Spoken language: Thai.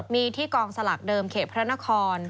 มีที่ก